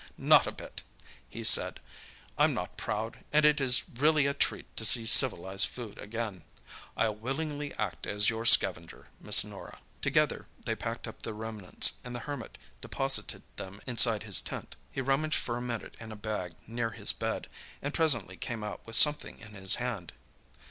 "Not a bit!" he said. "I'm not proud, and it is really a treat to see civilized food again. I'll willingly act as your scavenger, Miss Norah." Together they packed up the remnants, and the Hermit deposited them inside his tent. He rummaged for a minute in a bag near his bed, and presently came out with something in his hand.